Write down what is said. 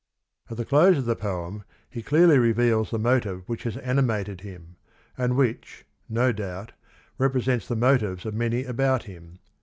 At the close of the poem he clearly reveals the motive which has animated him, and which, no doubt, represents the motives of many about him.